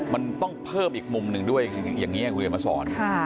มันต้องเพิ่มอีกมุมหนึ่งด้วยอย่างนี้คุณเรียนมาสอน